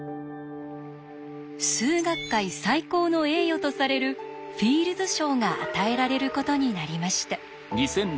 数学界最高の栄誉とされるフィールズ賞が与えられることになりました。